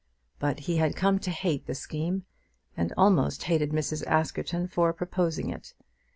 But he had come to hate the scheme, and almost hated Mrs. Askerton for proposing it.